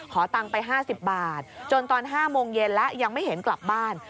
ตังค์ไป๕๐บาทจนตอน๕โมงเย็นแล้วยังไม่เห็นกลับบ้าน